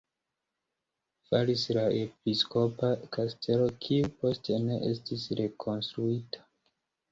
Falis la episkopa kastelo, kiu poste ne estis rekonstruita.